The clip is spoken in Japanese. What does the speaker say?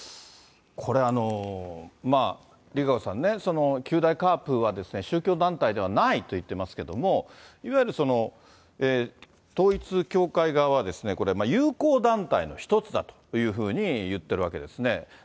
これ、ＲＩＫＡＣＯさんね、九大カープは宗教団体ではないと言っていますけれども、いわゆる統一教会側は、これ、友好団体の一つだというふうに言ってるわけですね。